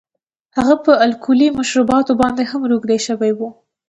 هغه په الکولي مشروباتو باندې هم روږدی شوی و